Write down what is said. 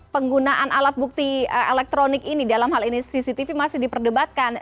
penggunaan alat bukti elektronik ini dalam hal ini cctv masih diperdebatkan